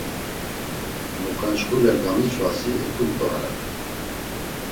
Noǩançxule gamiç̌vasi eǩunt̆orare.